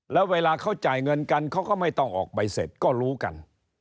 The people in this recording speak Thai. แล้วเวลาเขาจ่ายเงินกันเขาก็ไม่ต้องออกใบเสร็จก็รู้กัน